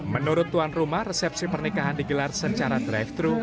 menurut tuan rumah resepsi pernikahan digelar secara drive thru